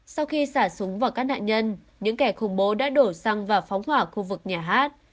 sau khi xả súng vào các nạn nhân những kẻ khủng bố đã đổ xăng và phóng hỏa khu vực nhà hát